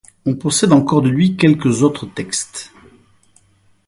On possède encore de lui quelques autres textes.